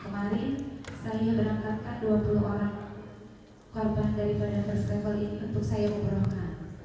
kemarin saya berangkatkan dua puluh orang korban daripada first travel ini untuk saya mengurangkan